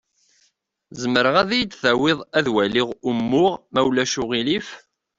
Zemreɣ ad yi-d-tawiḍ ad waliɣ umuɣ, ma ulac aɣilif?